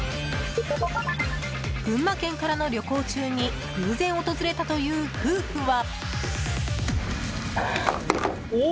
群馬県からの旅行中に偶然訪れたという夫婦は。